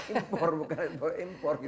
import bukan import